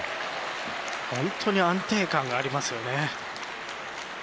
本当に安定感がありますよね。